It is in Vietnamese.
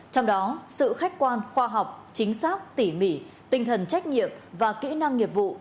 trong đó sự khách quan khoa học chính xác tỉ mỉ tinh thần trách nhiệm và kỹ năng nghiệp vụ